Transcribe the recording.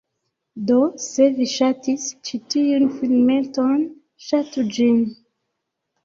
Do, se vi ŝatis ĉi tiun filmeton, ŝatu ĝin